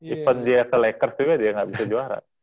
even dia ke lakers juga dia nggak bisa juara